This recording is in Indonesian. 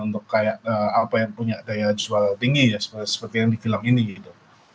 untuk kayak apa yang punya daya jual tinggi ya seperti yang di film ini gitu